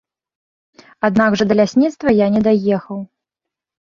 Аднак жа да лясніцтва я не даехаў.